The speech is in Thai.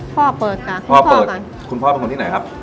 เปิดค่ะพ่อเปิดค่ะคุณพ่อเป็นคนที่ไหนครับ